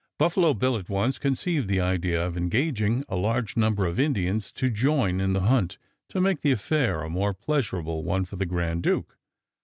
Buffalo Bill at once conceived the idea of engaging a large number of Indians to join in the hunt, to make the affair a more pleasurable one for the grand duke.